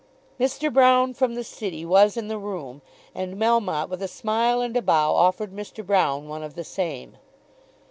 Mr. Brown, from the City, was in the room, and Melmotte, with a smile and a bow, offered Mr. Brown one of the same.